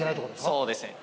そうです。